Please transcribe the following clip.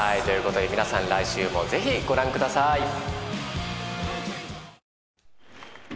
ということで皆さん来週もぜひご覧ください。